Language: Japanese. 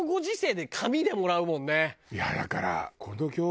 いやだから。